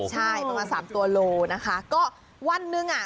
ใช่ประมาณสามตัวโลนะคะก็วันหนึ่งอ่ะ